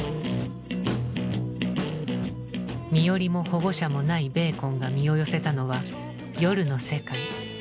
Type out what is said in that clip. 身寄りも保護者もないベーコンが身を寄せたのは夜の世界。